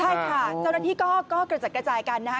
ใช่ค่ะเจ้าหน้าที่ก็กระจัดกระจายกันนะคะ